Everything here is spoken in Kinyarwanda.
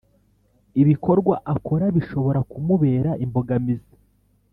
ibikorwa akora bishobora kumubera imbogamizi